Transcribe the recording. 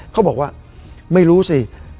เขาบอกว่าไม่รู้สิ